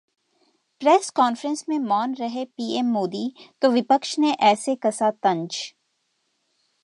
press conference में मौन रहे पीएम मोदी तो विपक्ष ने ऐसे कसा तंज